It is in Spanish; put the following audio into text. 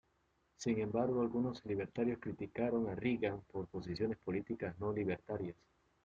Sin embargo, algunos libertarios criticaron a Reagan por posiciones políticas no libertarias.